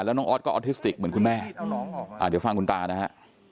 แล้วน้องออสก็ออทิสติกเหมือนคุณแม่เดี๋ยวฟังคุณตานะฮะ